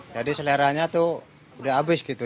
jadi seleranya tuh udah habis gitu